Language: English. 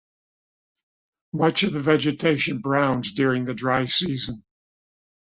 Much of the vegetation browns during the dry season.